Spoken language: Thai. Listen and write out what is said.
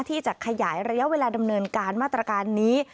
ที่จะขยายระยะเวลาดำเนินการมาตรการนี้